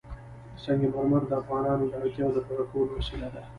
سنگ مرمر د افغانانو د اړتیاوو د پوره کولو وسیله ده.